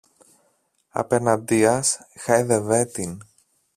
Απεναντίας, χάιδευε την